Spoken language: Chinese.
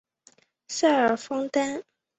塞尔方丹。